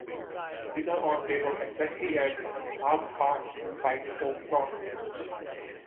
Dinner on table exactly at half past five o'clock.